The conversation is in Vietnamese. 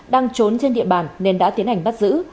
đang trốn trên địa bàn nên đã tiến hành bắt giữ